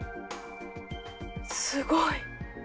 すごい！